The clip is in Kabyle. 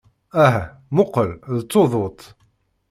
Ah, mmuqqel, d tuḍut!